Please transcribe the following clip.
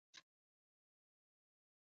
سرور المحزون او نور العیون لوستلی دی.